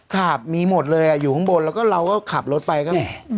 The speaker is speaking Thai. ครับมีหมดเลยอยู่ข้างบนแล้วก็เราก็ขับรถไปก็